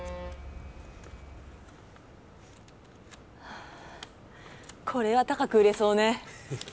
はぁこれは高く売れそうね。